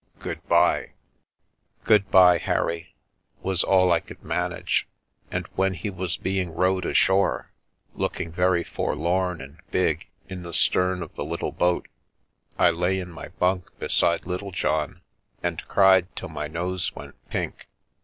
Good bye." "Good bye, Harry," was all I could manage, and when he was being rowed ashore, looking very forlorn and big in the stern of the little boat, I lay in my bunk beside Littlejohn and cried till my nose went pink.